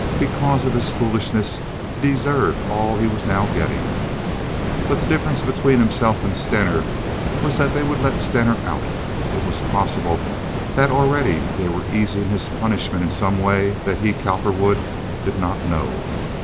But because of his foolishness he deserved all he was now getting. But the difference between himself and Stener was that they would let Stener out. It was possible that already they were easing his punishment in some way that he, Cowperwood, did not know.